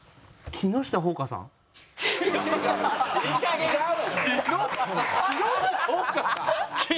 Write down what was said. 木下ほうかさんなわけ。